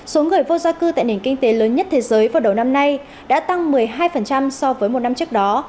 số người vô gia cư tại nền kinh tế lớn nhất thế giới vào đầu năm nay đã tăng một mươi hai so với một năm trước đó